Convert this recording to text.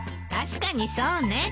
確かにそうね。